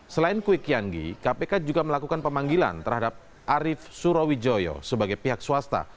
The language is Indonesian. selain kuy kian gi kpk juga melakukan pemanggilan terhadap arief surowi joyo sebagai pihak swasta